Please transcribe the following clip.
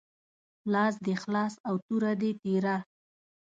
لاس دي خلاص او توره دي تیره